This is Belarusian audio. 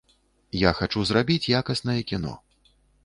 Я хачу зрабіць якаснае кіно.